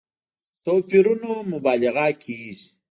توپيرونو مبالغه کېږي.